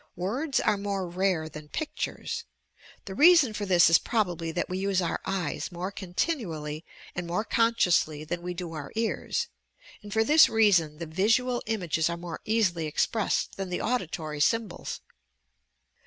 Words are more rare than pictures. The reason for this is probably that we use our eyes more continually and more consciously than we do our ears, and for this reason the visual images are more easily expressed than the auditory symbols.